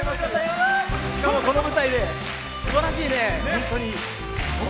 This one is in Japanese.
この舞台ですばらしいね、本当に。